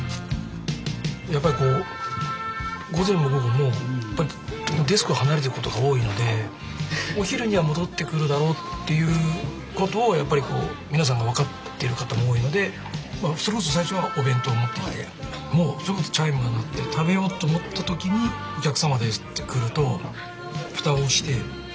やっぱり午前も午後もデスク離れてることが多いのでお昼には戻ってくるだろうっていうことをやっぱり皆さん分かってる方も多いのでそれこそ最初はお弁当持ってきてもうそれこそチャイムが鳴って食べようと思った時に「お客様です」って来ると蓋をして行って。